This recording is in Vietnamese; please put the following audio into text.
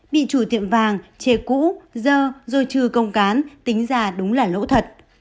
bị chủ tiệm vàng chê cũ dơ rồi trừ công cán tính ra đúng là lỗ thật